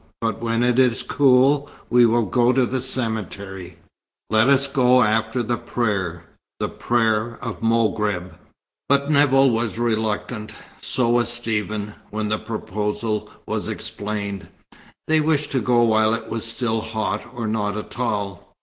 But when it is cool, we will go to the cemetery. Let us go after the prayer, the prayer of Moghreb." But Nevill was reluctant. So was Stephen, when the proposal was explained. They wished to go while it was still hot, or not at all.